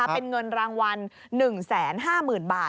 เป็นเงินรางวัล๑๕๐๐๐บาท